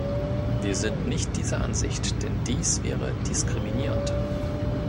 Wir sind nicht dieser Ansicht, denn dies wäre diskriminierend.